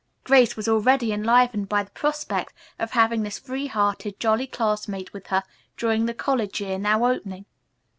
Grace was already enlivened by the prospect of having this free hearted, jolly classmate with her during the college year now opening.